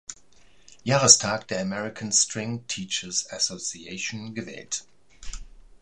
Jahrestag der "American String Teachers Association" gewählt.